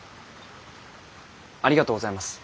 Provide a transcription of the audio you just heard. ありがとうございます。